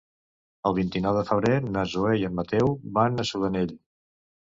El vint-i-nou de febrer na Zoè i en Mateu van a Sudanell.